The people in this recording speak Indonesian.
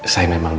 kalau tim ini